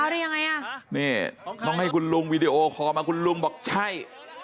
นี่ต้องให้คุณลุงวิดีโอคอมาคุณลุงบอกใช่